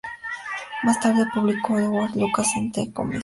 Más tarde, lo publicó Edward Lucas en "The Economist".